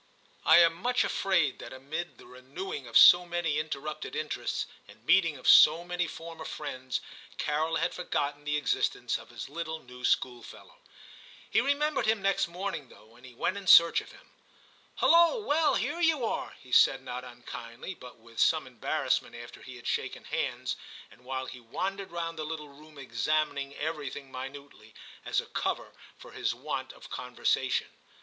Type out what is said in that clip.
I am much afraid that amid the renewing of so many interrupted interests, and meeting of so many former friends, Carol had forgotten the existence of his little new schoolfellow. He remembered him next morning though, and went in search of him. * Hulloa, well, here you are,' he said not unkindly, but with some embarrassment, after 90 TIM CHAP. he had shaken hands, and while he wandered round the little room examining everything minutely, as a cover for his want of conver sation.